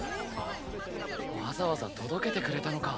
わざわざ届けてくれたのか。